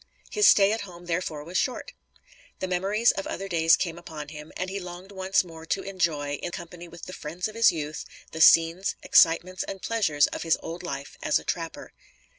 His stay at home therefore was short. The memories of other days came upon him, and he longed once more to enjoy, in company with the "friends of his youth," the scenes, excitements and pleasures of his old life as a trapper.